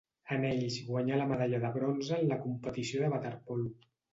En ells guanyà la medalla de bronze en la competició de waterpolo.